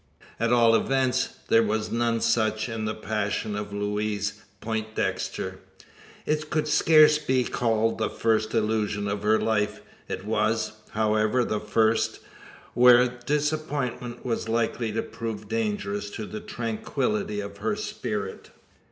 At all events, there was none such in the passion of Louise Poindexter. It could scarce be called the first illusion of her life. It was, however, the first, where disappointment was likely to prove dangerous to the tranquillity of her spirit.